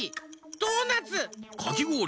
ドーナツ。